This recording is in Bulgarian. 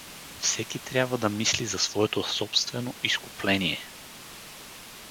— Всеки трябва да мисли за своето собствено изкупление.